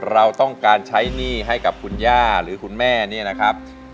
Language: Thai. เราต้องการใช้หนี้ให้กับคุณย่าหรือคุณแม่เนี่ยนะครับ